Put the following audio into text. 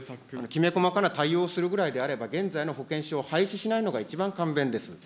きめ細かな対応をするくらいであれば、現在の保険証を廃止しないのが一番簡便です。